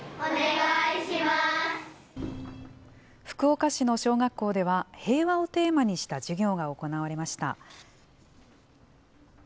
福岡市の小学校では、平和をテーマにした授業が行われました。